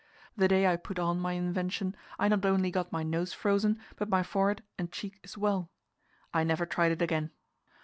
The day I put on my invention, I not only got my nose frozen, but my forehead and cheek as well. I never tried it again.